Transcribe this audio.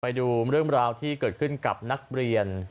ไปดูเรื่องราวที่เกิดขึ้นกับนักเรียน